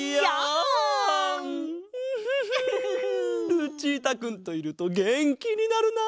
ルチータくんといるとげんきになるな！